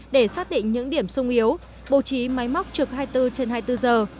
để xác định những điểm sung yếu bố trí máy móc trực hai mươi bốn trên hai mươi bốn giờ